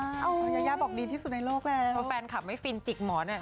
ก็ส่วนมากก็ไม่ได้ค่อยคิดเรื่องแบบนี้อยู่แล้ว